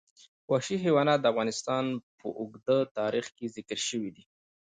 وحشي حیوانات د افغانستان په اوږده تاریخ کې ذکر شوي دي.